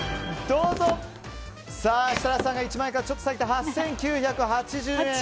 設楽さんが１万円からちょっと下げて８９８０円。